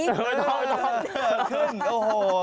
เออเออขึ้นโอ้โห